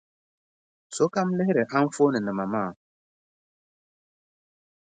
Sokam lihiri anfooninima maa.